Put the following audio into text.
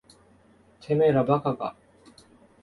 てめえら馬鹿か。